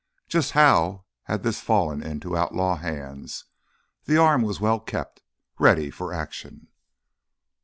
Just how had this fallen into outlaw hands? The arm was well kept, ready for action.